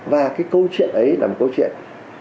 và cái câu chuyện ấy là một câu chuyện